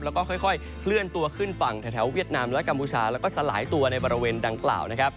แล้วก็ค่อยเคลื่อนตัวขึ้นฝั่งแถวเวียดนามและกัมพูชาแล้วก็สลายตัวในบริเวณดังกล่าว